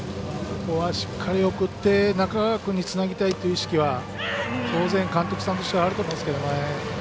ここは、しっかり送って中川君につなぎたいという意識は当然、監督さんとしてはあると思うんですけどね。